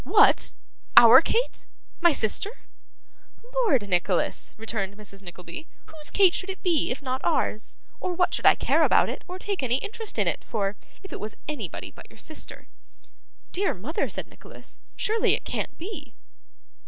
'What! OUR Kate! My sister!' 'Lord, Nicholas!' returned Mrs. Nickleby, 'whose Kate should it be, if not ours; or what should I care about it, or take any interest in it for, if it was anybody but your sister?' 'Dear mother,' said Nicholas, 'surely it can't be!